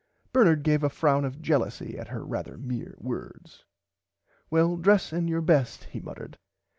Bernard gave a frown of jellousy at her rarther mere words. Well dress in your best he muttered.